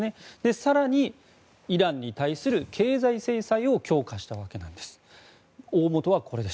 更にイランに対する経済制裁を強化したわけなんです。